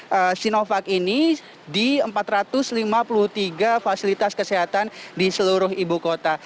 vaksin sinovac ini di empat ratus lima puluh tiga fasilitas kesehatan di seluruh ibu kota